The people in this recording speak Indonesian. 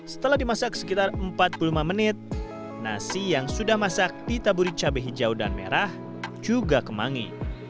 setelah dimasak sekitar empat puluh lima menit nasi yang sudah masak ditaburi cabai hijau dan merah juga kemangi